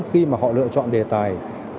khi mà họ lựa chọn đề tài